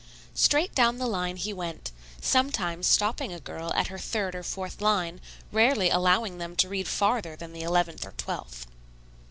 Straight down the line he went, sometimes stopping a girl at her third or fourth line, rarely allowing them to read farther than the eleventh or twelfth.